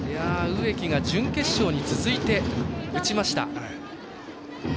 植木が準決勝に続いて打ちました。